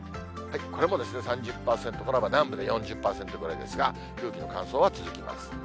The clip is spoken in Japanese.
これも３０％から、南部で４０％ぐらいですが、空気の乾燥は続きます。